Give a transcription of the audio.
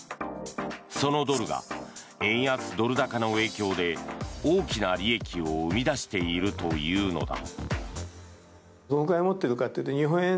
そのドルが円安・ドル高の影響で大きな利益を生み出しているというのだ。